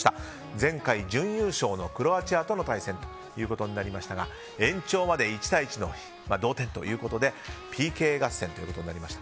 前回、準優勝のクロアチアとの対戦ということでしたが延長まで１対１の同点ということでＰＫ合戦となりました。